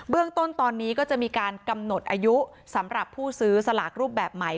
เรื่องต้นตอนนี้ก็จะมีการกำหนดอายุสำหรับผู้ซื้อสลากรูปแบบใหม่